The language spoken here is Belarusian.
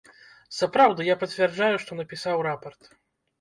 Сапраўды, я пацвярджаю, што напісаў рапарт.